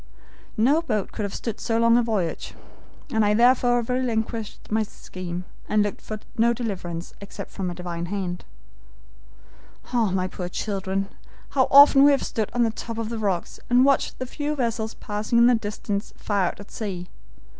No boat could have stood so long a voyage. I therefore relinquished my scheme, and looked for no deliverance except from a divine hand. "Ah, my poor children! how often we have stood on the top of the rocks and watched the few vessels passing in the distance far out at sea.